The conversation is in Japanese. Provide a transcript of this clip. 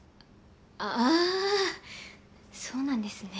あそうなんですね。